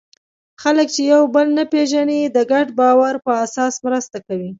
خلک چې یو بل نه پېژني، د ګډ باور په اساس مرسته کوي.